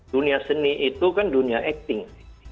dunia seni itu kan dunia acting